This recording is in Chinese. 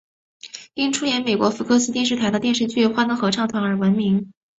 因出演美国福克斯电视台的电视剧欢乐合唱团而闻名。